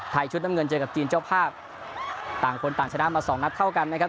ชุดน้ำเงินเจอกับจีนเจ้าภาพต่างคนต่างชนะมาสองนัดเท่ากันนะครับ